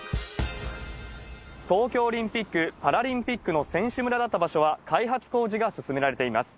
東京オリンピック・パラリンピックの選手村だった場所は、開発工事が進められています。